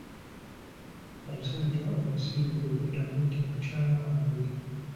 Omusajja omusiru kwe kuddamu nti, mukyala wange.